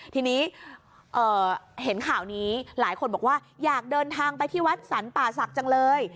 ทีนี้เห็นข่าวนี้หลายคนบอกว่าอยากเดินทางไปที่วัดสรรป่าศักดิ์จังเลย